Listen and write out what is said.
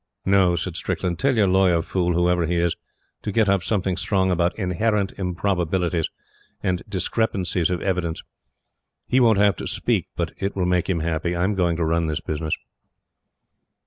"No," said Strickland. "Tell your lawyer fool, whoever he is, to get up something strong about 'inherent improbabilities' and 'discrepancies of evidence.' He won't have to speak, but it will make him happy. I'M going to run this business."